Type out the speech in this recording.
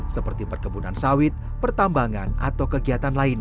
seperti perkebunan sawit pertambangan atau kegiatan lainnya